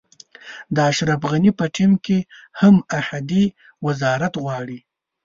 د اشرف غني په ټیم کې هم احدي وزارت غواړي.